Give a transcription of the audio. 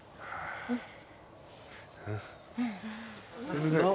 すいません。